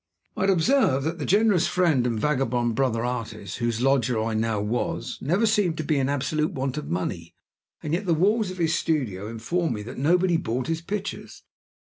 I had observed that the generous friend and vagabond brother artist, whose lodger I now was, never seemed to be in absolute want of money; and yet the walls of his studio informed me that nobody bought his pictures.